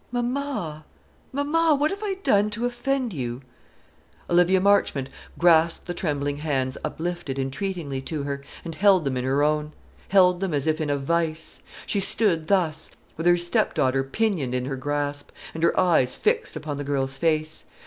Mamma, mamma! what have I done to offend you?" Olivia Marchmont grasped the trembling hands uplifted entreatingly to her, and held them in her own, held them as if in a vice. She stood thus, with her stepdaughter pinioned in her grasp, and her eyes fixed upon the girl's face.